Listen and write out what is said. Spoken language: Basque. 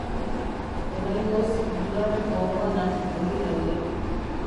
Oraingoz, bularreko orbanak geldi daude.